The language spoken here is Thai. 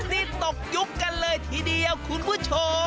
นี่ตกยุคกันเลยทีเดียวคุณผู้ชม